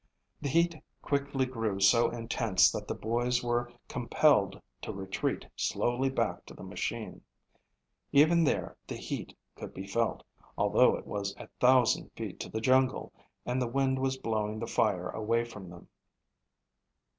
The heat quickly grew so intense that the boys were compelled to retreat slowly back to the machine. Even there the heat could be felt, although it was a thousand feet to the jungle and the wind was blowing the fire away from them.